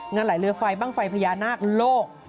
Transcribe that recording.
ไหลเรือไฟบ้างไฟพญานาคโลก